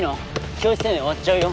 教師生命終わっちゃうよ。